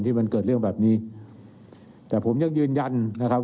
ที่มันเกิดเรื่องแบบนี้แต่ผมยังยืนยันนะครับ